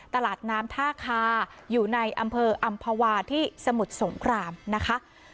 ตลาดน้ำท่าคาอยู่ในอำเภออำภาวาที่สมุทรสงครามนะคะ